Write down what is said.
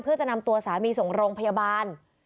เพื่อจะนำตัวสามีส่งโรงพยาบาล